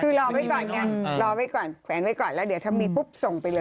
คือรอไว้ก่อนไงรอไว้ก่อนแขวนไว้ก่อนแล้วเดี๋ยวถ้ามีปุ๊บส่งไปเลย